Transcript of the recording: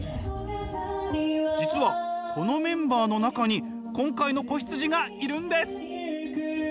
実はこのメンバーの中に今回の子羊がいるんです。